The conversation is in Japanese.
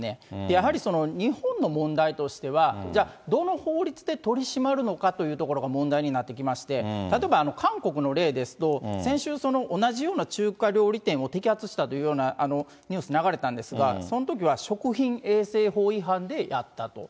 やはりその日本の問題としては、じゃあ、どの法律で取り締まるのかというところが問題になってきまして、例えば韓国の例ですと、先週、同じような中華料理店を摘発したというようなニュース、流れたんですが、そのときは食品衛生法違反でやったと。